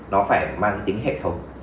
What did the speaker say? nó phải mang tính hệ thống